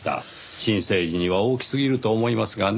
新生児には大きすぎると思いますがねぇ。